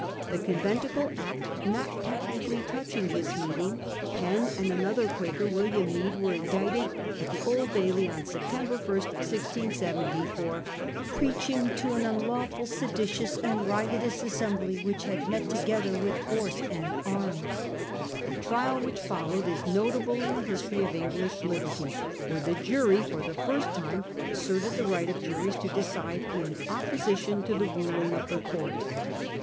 The Conventicle Act not technically touching this meeting, Penn and another Quaker, William Mead, were indicted at the Old Bailey on September 1, 1670, for preaching to 'an unlawful, seditious, and riotous assembly, which had met together with force and arms. 1 The trial which followed is notable in the history of English liberty, for the jury for the first time asserted the right of juries to decide in opposition to the ruling of the court.